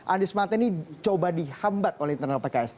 andies smata ini coba dihambat oleh internal pks